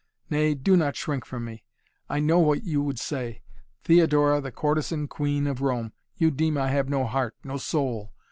"Nay do not shrink from me! I know what you would say! Theodora the courtesan queen of Rome! You deem I have no heart no soul.